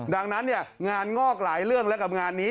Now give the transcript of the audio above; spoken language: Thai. ดังนั้นเนี่ยงานงอกหลายเรื่องแล้วกับงานนี้